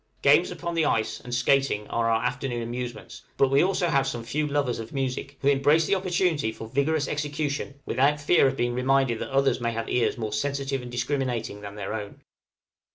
Games upon the ice and skating are our afternoon amusements, but we also have some few lovers of music, who embrace the opportunity for vigorous execution, without fear of being reminded that others may have ears more sensitive and discriminating than their own.